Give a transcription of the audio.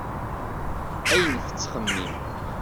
Ayen tettxemmim.